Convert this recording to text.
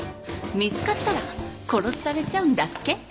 見つかったら殺されちゃうんだっけ？